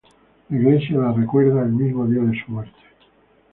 La Iglesia la recuerda el mismo día de su muerte.